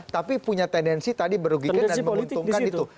tapi punya tendensi tadi merugikan dan menguntungkan itu